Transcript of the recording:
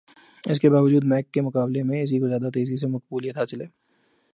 اس کے باوجود میک کے مقابلے میں اسی کو زیادہ تیزی سے مقبولیت حاصل ہوئی